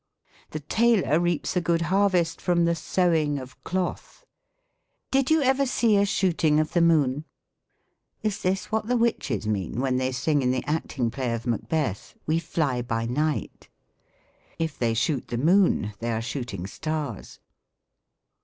" The tailor reaps a good harvest from the sewing of cloth." "Did you ever see a shoot ing of the moon ?" Is this what the witches mean when they sing, in llie acting play of Macbeth, SYNTAX. 91 " We /^ by night?" If'they " shoot the moon," they are shooting stars.